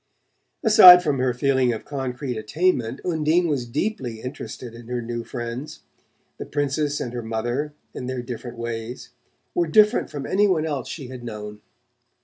Aside from her feeling of concrete attainment. Undine was deeply interested in her new friends. The Princess and her mother, in their different ways, were different from any one else she had known.